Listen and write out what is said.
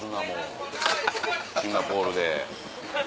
シンガポールで。